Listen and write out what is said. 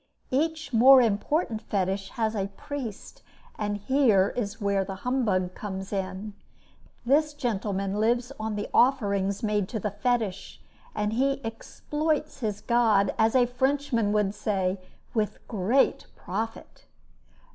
Each more important Fetish has a priest, and here is where the humbug comes in. This gentleman lives on the offerings made to the Fetish, and he "exploits" his god, as a Frenchman would say, with great profit.